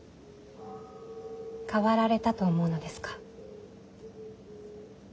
変わられたと思うのですか。